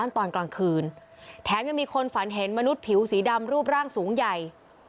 แถมยังมีคนฝันเห็นมนุษย์ผิวสีดำรูปร่างสูงใหญ่